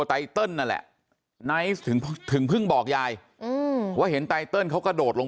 ไตเติลนั่นแหละไนท์ถึงเพิ่งบอกยายว่าเห็นไตเติลเขากระโดดลง